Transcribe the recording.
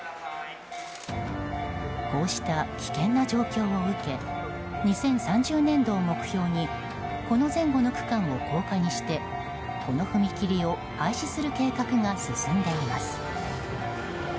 こうした危険な状況を受け２０３０年度を目標にこの前後の区間を高架にしてこの踏切を廃止する計画が進んでいます。